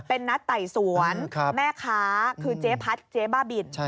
เป็นนัดไต่สวนแม่ค้าคือเจ๊พัดเจ๊บ้าบิน